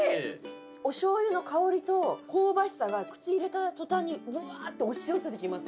お醤油の香りと香ばしさが口入れた途端にぶわって押し寄せてきます。